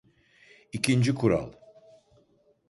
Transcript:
İkinci kural.